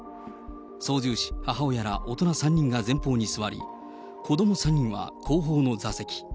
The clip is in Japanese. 操縦士、母親ら大人３人が前方に座り、子ども３人は後方の座席。